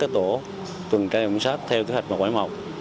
các tổ tường trai ổng sát theo kế hoạch mộc quế mộc